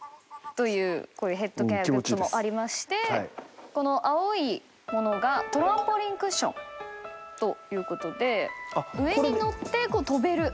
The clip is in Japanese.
というこういうヘッドケアグッズもありましてこの青い物がトランポリンクッションということで上に乗って跳べる。